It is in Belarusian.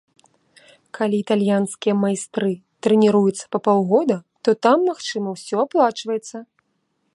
Калі італьянскія майстры трэніруюцца па паўгода, то там, магчыма, ўсё аплачваецца.